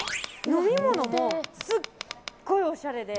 飲み物もすごいおしゃれで。